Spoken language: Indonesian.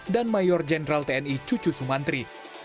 dan mayor jenderal tni cucu sumantri